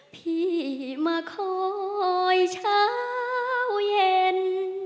พี่มาคอยเช้าเย็น